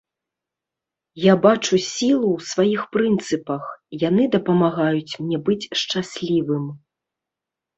Я бачу сілу ў сваіх прынцыпах, яны дапамагаюць мне быць шчаслівым.